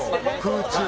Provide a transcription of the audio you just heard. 空中。